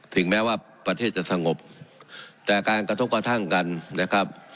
สิ่งแม้ว่าประเทศจะชะงบแต่การกระทบความท่างกันนะครับ